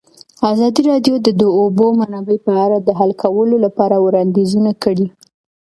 ازادي راډیو د د اوبو منابع په اړه د حل کولو لپاره وړاندیزونه کړي.